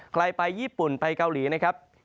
ใครไปญี่ปุ่นไปเกาหลีนะครับ